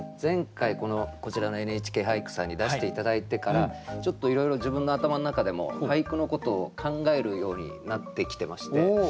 前回こちらの「ＮＨＫ俳句」さんに出して頂いてからちょっといろいろ自分の頭の中でも俳句のことを考えるようになってきてまして。